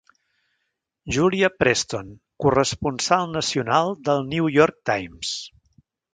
Julia Preston, corresponsal nacional del New York Times.